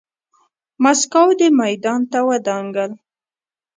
ماسکو دې میدان ته ودانګل.